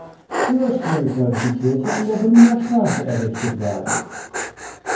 Ursprünglich sollte die Kirche an der Berliner Straße errichtet werden.